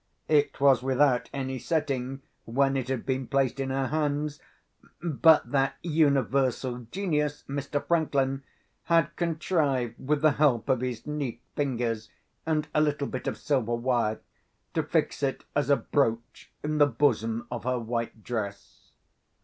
It was without any setting when it had been placed in her hands; but that universal genius, Mr. Franklin, had contrived, with the help of his neat fingers and a little bit of silver wire, to fix it as a brooch in the bosom of her white dress.